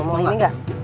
mau ini gak